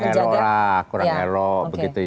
kurang elok lah kurang elok